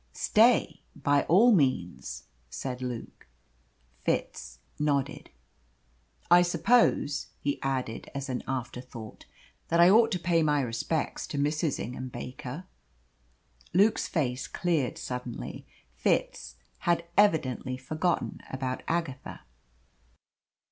"Stay by all means," said Luke. Fitz nodded. "I suppose," he added as an afterthought, "that I ought to pay my respects to Mrs. Ingham Baker?" Luke's face cleared suddenly. Fitz had evidently forgotten about Agatha.